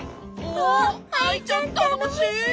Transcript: おっアイちゃんたのもしい！